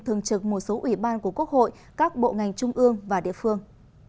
thường trực một số ủy ban của quốc hội các bộ ngành trung ương và địa phương